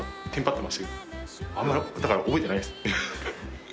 だから覚えてないです。